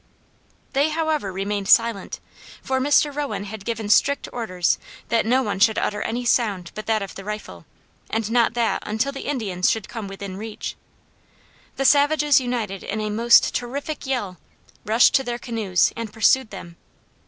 They however remained silent, for Mr. Rowan had given strict orders that no one should utter any sound but that of the rifle; and not that until the Indians should come within reach. The savages united in a most terrific yell, rushed to their canoes and pursued them.